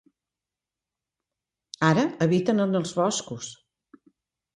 Ara habiten en els boscos.